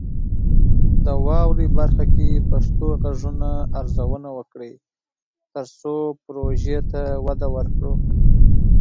د "واورئ" برخه کې پښتو غږونه ارزونه وکړئ، ترڅو پروژې ته وده ورکړو.